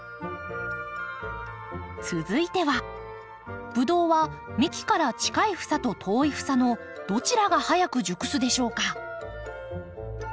続いてはブドウは幹から近い房と遠い房のどちらが早く熟すでしょうか？